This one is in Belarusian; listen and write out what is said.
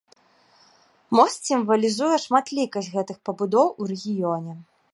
Мост сімвалізуе шматлікасць гэтых пабудоў у рэгіёне.